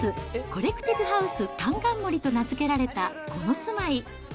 コレクティブハウスかんかん森と名付けられたこの住まい。